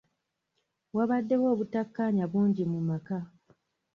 Wabaddewo obutakkaanya bungi mu maka.